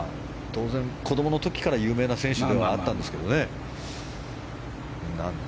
当然、子供の時から有名な選手ではあったんですが。